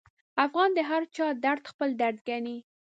افغان د هرچا درد خپل درد ګڼي.